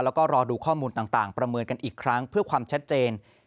แล้วก็รอดูข้อมูลต่างประเมินกันอีกครั้งเพื่อความชัดเจน